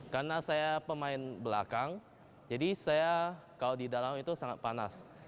karena saya pemain belakang jadi saya kalau di dalam itu sangat panas